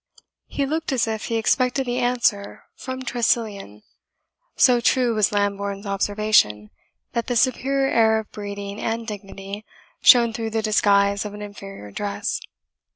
He looked as if he expected the answer from Tressilian, so true was Lambourne's observation that the superior air of breeding and dignity shone through the disguise of an inferior dress.